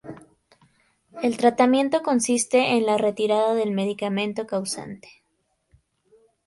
El tratamiento consiste en la retirada del medicamento causante.